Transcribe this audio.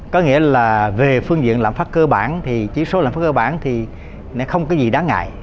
có nghĩa là về phương diện lạm phát cơ bản thì chỉ số lãm phát cơ bản thì không có gì đáng ngại